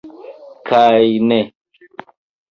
Kaj ne!